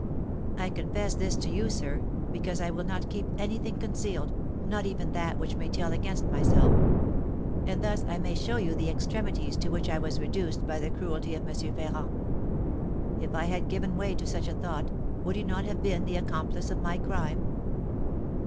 I confess this to you, sir, because I will not keep any thing concealed, not even that which may tell against myself; and thus I may show you the extremities to which I was reduced by the cruelty of M. Ferrand. If I had given way to such a thought, would he not have been the accomplice of my crime?"